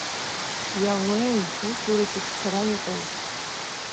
Иаууеи, усура исцәцара иҟоуп!